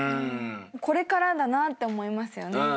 これからだなって思いますよね。